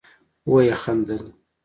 ويې خندل.